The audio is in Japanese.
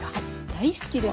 大好きです！